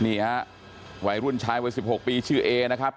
นี่ฮะวัยรุ่นชายวัย๑๖ปีชื่อเอนะครับ